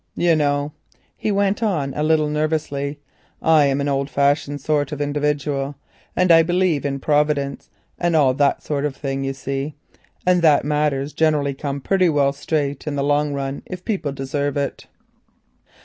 You know," he went on a little nervously, "I am an old fashioned sort of individual, and I believe in Providence and all that sort of thing, you see, and that matters generally come pretty well straight in the long run if people deserve it."